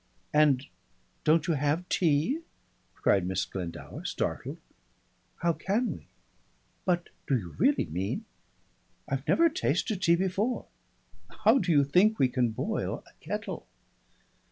"And don't you have tea?" cried Miss Glendower, startled. "How can we?" "But do you really mean ?" "I've never tasted tea before. How do you think we can boil a kettle?"